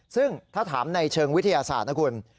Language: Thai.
ซึ่งถ้าถามในเชิงวิทยาศาสตร์นะคุณ